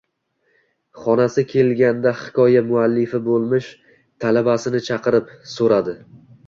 Xonasi kelganda hikoya muallifi bo`lmish talabasini chaqirib, so`radi